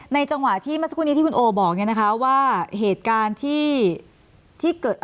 จังหวะที่เมื่อสักครู่นี้ที่คุณโอบอกเนี่ยนะคะว่าเหตุการณ์ที่เกิด